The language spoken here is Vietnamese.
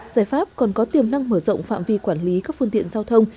giải pháp còn có tiềm năng mở rộng phạm vi quản lý các phương tiện giao thông